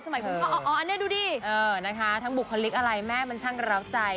โอ้โหไอ้มาละนี่ดูดิทั้งบุคลิกอะไรแม่ปฏิบัติเมย์มันช่างรักใจ